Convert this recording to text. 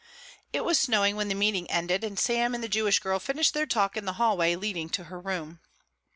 It was snowing when the meeting ended, and Sam and the Jewish girl finished their talk in the hallway leading to her room.